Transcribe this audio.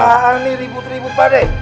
apaan nih ribut ribut pak deh